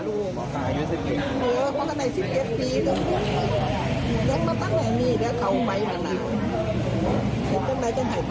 นี่ตกลก่อนครับ